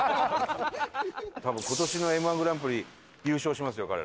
多分今年のＭ−１グランプリ優勝しますよ